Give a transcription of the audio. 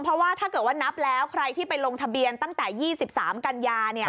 เพราะว่าถ้าเกิดว่านับแล้วใครที่ไปลงทะเบียนตั้งแต่๒๓กันยา